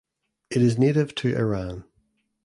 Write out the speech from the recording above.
It is native to Iran.